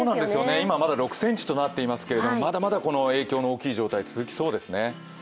今、まだ６ｃｍとなっていますけれどもまだまだ影響の大きい状態が続きそうですね。